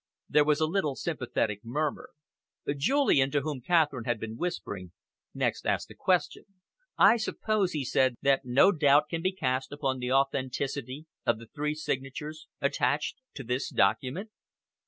There was a little sympathetic murmur. Julian, to whom Catherine had been whispering, next asked a question. "I suppose," he said, "that no doubt can be cast upon the authenticity of the three signatures attached to this document?"